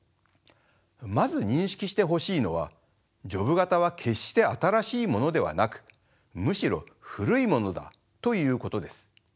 まず認識してほしいのはジョブ型は決して新しいものではなくむしろ古いものだということです。